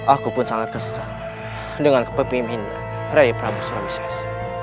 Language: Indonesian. aku pun sangat kesal dengan kepemimpin raya prabu suwabises